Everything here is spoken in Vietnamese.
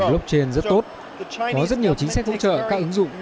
blockchain rất tốt có rất nhiều chính sách hỗ trợ các ứng dụng